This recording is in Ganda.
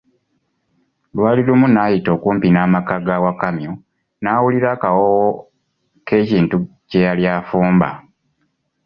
Lwali lumu n'ayita kumpi n'amaka ga Wakamyu n'awulira akawoowo k'ekintu kye yali afumba.